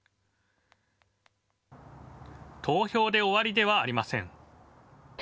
投票で終わりではありません。